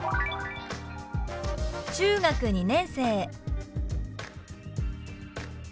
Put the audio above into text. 「中学２年生」。